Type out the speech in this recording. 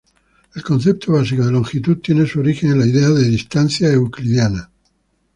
El concepto básico de longitud tiene su origen en la idea de distancia euclidiana.